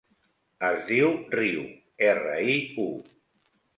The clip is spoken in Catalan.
Es diu Riu: erra, i, u.